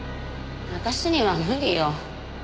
私には無理よ。